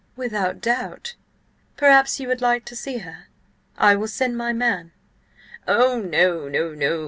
"Without doubt. Perhaps you would like to see her? I will send my man—" "Oh no, no!"